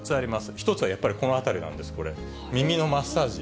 １つはやっぱりこの辺りなんです、これ、耳のマッサージ。